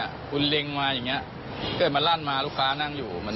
คุณเล็งมาอย่างเงี้ยเกิดมันลั่นมาลูกค้านั่งอยู่มัน